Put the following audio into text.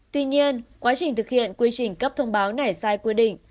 tuy nhiên quá trình thực hiện quy trình cấp thông báo này sai quy định